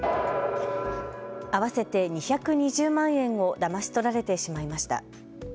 合わせて２２０万円をだまし取られてしまいました。